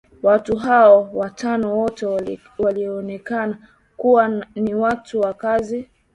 Watu hao watano wote walionekana kuwa ni watu wa kazi